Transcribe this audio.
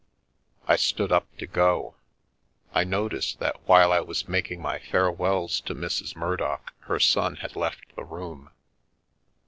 I stood up to go. I noticed that while I was making my farewells to Mrs. Murdock her son had left the room.